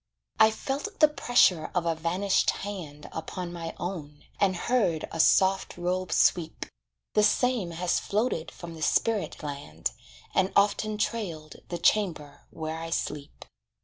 I felt the pressure of a vanished hand Upon my own, and heard a soft robe sweep The same has floated from the spirit land, And often trailed the chamber where I sleep.